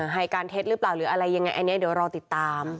ให้การเท็จหรือเปล่าหรืออะไรยังไงอันนี้เดี๋ยวรอติดตาม